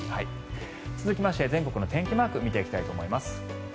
続きまして全国の天気マーク見ていきたいと思います。